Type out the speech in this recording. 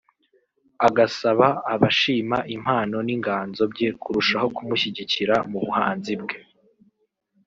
agasaba abashima impano n’inganzo bye kurushaho kumushyigikira mu buhanzi bwe